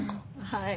はい。